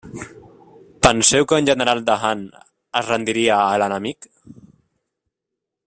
Penseu que un general de Han es rendiria a l'enemic?